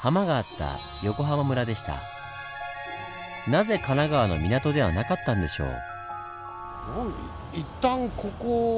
なぜ神奈川の港ではなかったんでしょう？